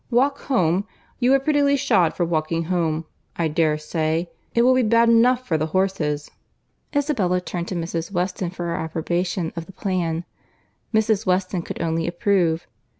Walk home!—you are prettily shod for walking home, I dare say. It will be bad enough for the horses." Isabella turned to Mrs. Weston for her approbation of the plan. Mrs. Weston could only approve.